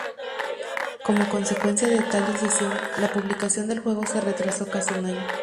Como consecuencia de tal decisión, la publicación del juego se retrasó casi un año.